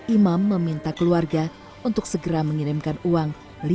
imam meminta keluarga untuk segera mengirimkan uang